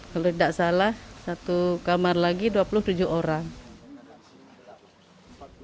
kalau tidak salah satu kamar lagi dua puluh tujuh orang